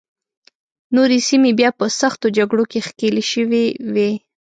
نورې سیمې بیا په سختو جګړو کې ښکېلې شوې وې.